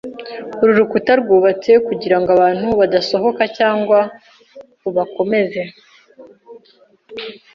Uru rukuta rwubatswe kugirango abantu badasohoka cyangwa kubakomeza?